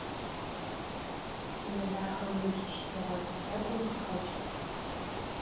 Псынэдахэ мыл щтыгъэ лъэгум къыхэкӏыгъ.